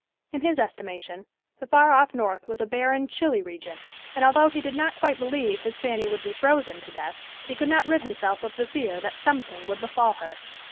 In his estimation the far off North was a barren, chilly region, and although he did not quite believe his Fanny would be frozen to death, he could not rid himself of the fear that something would befall her.